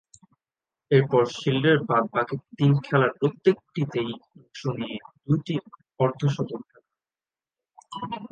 এরপর শিল্ডের বাদ-বাকী তিন খেলার প্রত্যেকটিতেই অংশ নিয়ে দুইটি অর্ধ-শতক হাঁকান।